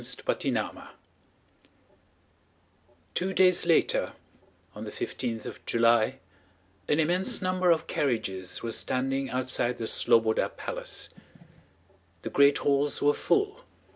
CHAPTER XXII Two days later, on the fifteenth of July, an immense number of carriages were standing outside the Slobóda Palace. The great halls were full.